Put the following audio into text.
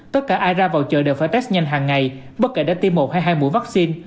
tất cả ai ra vào chợ đều phải test nhanh hàng ngày bất kể đã tiêm một hay hai mũi vaccine